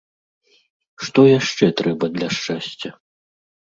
Што яшчэ трэба для шчасця?